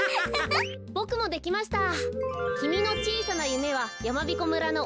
ボクもできました。